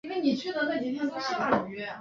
多刺腔吻鳕为长尾鳕科腔吻鳕属的鱼类。